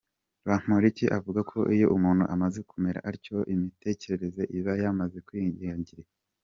Bamporiki avuga ko iyo umuntu amaze kumera atyo imitekerereze iba yamaze kwangirika.